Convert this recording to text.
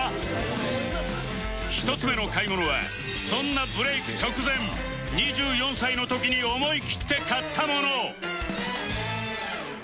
１つ目の買い物はそんなブレイク直前２４歳の時に思いきって買ったもの